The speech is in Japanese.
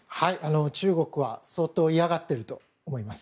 中国は相当、嫌がっていると思います。